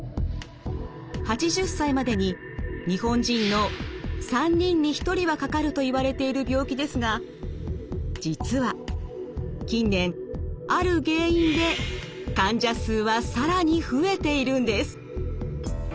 ８０歳までに日本人の３人に１人はかかるといわれている病気ですが実は近年ある原因で患者数は更に増えているんです。